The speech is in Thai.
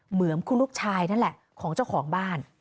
เหมือนคุณลูกชายนั่นแหละของเจ้าของบ้าน